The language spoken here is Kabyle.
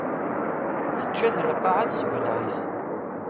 Tečča-t lqaɛa tesbleɛ-it.